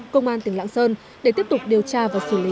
công an tỉnh lạng sơn để tiếp tục điều tra và xử lý